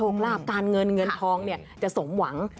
ลาบการเงินเงินทองจะสมหวัง